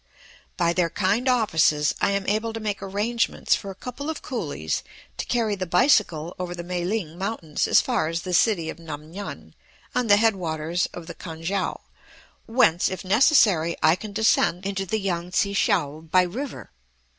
By their kind offices I am able to make arrangements for a couple of coolies to carry the bicycle over the Mae ling Mountains as far as the city of Nam ngan on the head waters of the Kan kiang, whence, if necessary, I can descend into the Yang tsi kiangby river.